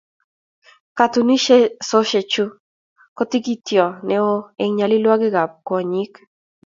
Katunisiosechu ko tigitiot neo eng nyolilwokikab kwonyik